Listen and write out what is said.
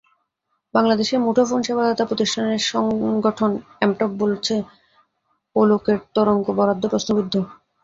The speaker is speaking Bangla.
বাংলাদেশের মুঠোফোন সেবাদাতা প্রতিষ্ঠানদের সংগঠন এমটব বলছে, ওলোকের তরঙ্গ বরাদ্দ প্রশ্নবিদ্ধ।